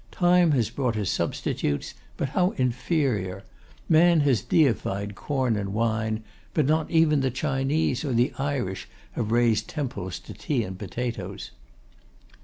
Time has brought us substitutes, but how inferior! Man has deified corn and wine! but not even the Chinese or the Irish have raised temples to tea and potatoes.